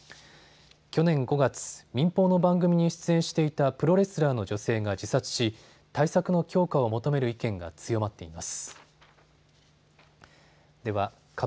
去年５月、民放の番組に出演していたプロレスラーの女性が自殺し対策の強化を求める意見が強まっています。